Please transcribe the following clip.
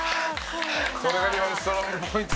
それが日本のストロングポイント。